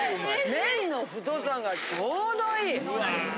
麺の太さがちょうどいい。